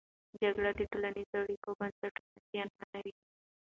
جګړه د ټولنیزو اړیکو بنسټونه زیانمنوي.